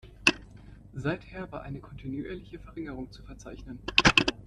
Seither war eine kontinuierliche Verringerung zu verzeichnen.